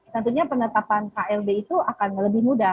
tentunya penetapan klb itu akan lebih mudah